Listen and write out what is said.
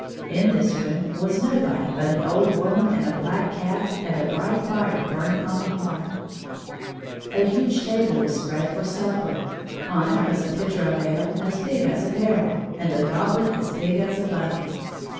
In this room was nobody but an old woman and a black cat and a bright fire burning on the hearth. A 140 huge table was spread for supper; on it was a pitcher of ale as big as a barrel, and a goblet as big as a bucket.